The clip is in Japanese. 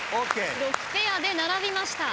６ペアで並びました。